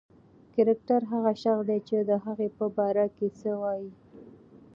کرکټر هغه شخص دئ، چي د هغه په باره کښي څه وايي.